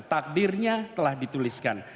takdirnya telah dituliskan